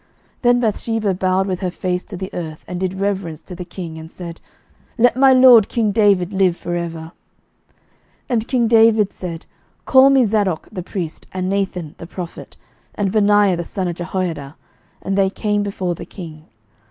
11:001:031 Then Bathsheba bowed with her face to the earth, and did reverence to the king, and said, Let my lord king David live for ever. 11:001:032 And king David said, Call me Zadok the priest, and Nathan the prophet, and Benaiah the son of Jehoiada. And they came before the king.